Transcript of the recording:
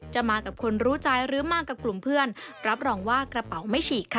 มากับคนรู้ใจหรือมากับกลุ่มเพื่อนรับรองว่ากระเป๋าไม่ฉีกค่ะ